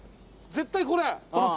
絶対これ。